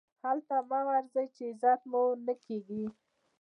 هلته مه ورځئ، چي عزت مو نه کېږي.